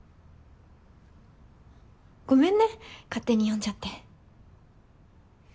ごめんね勝手に呼んじゃって。